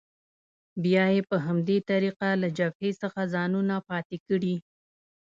بیا یې په همدې طریقه له جبهې څخه ځانونه پاتې کړي.